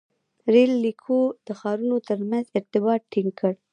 • رېل لیکو د ښارونو تر منځ ارتباط ټینګ کړ.